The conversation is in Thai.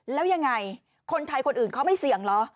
แล้วยังไงคนไทยคนอื่นเขาไม่เสี่ยงเหรอ